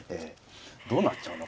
どうなっちゃうの？